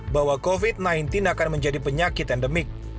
bahwa covid sembilan belas akan menjadi penyakit endemik